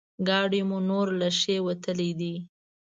ګاډی مو نور له ښې وتلی دی.